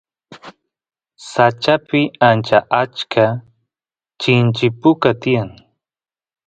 sachapi ancha achka chinchi puka tiyan